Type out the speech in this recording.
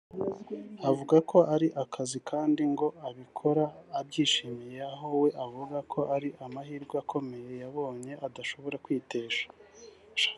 Avuga ko ari akazi kandi ngo abikora abyishimiye aho we avuga ko ari amahirwe akomeye yabonye adashobora kwitesha